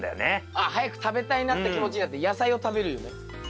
ああ早く食べたいなって気持ちになって野菜を食べる夢？